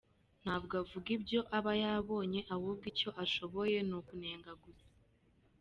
Ntabwo avuga ibyo aba yabonye ahubwo icyo ashoboye n’ukunenga gusa.